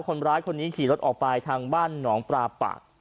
คนร้ายคนนี้ขี่รถออกไปทางบ้านหนองปลาปะ